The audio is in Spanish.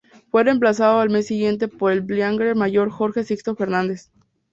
Fue reemplazado al mes siguiente por el Brigadier Mayor Jorge Sixto Fernández.